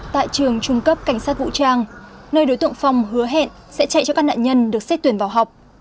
tại trường trung cấp cảnh sát vũ trang nơi đối tượng phong hứa hẹn sẽ chạy cho các nạn nhân được xét tuyển vào học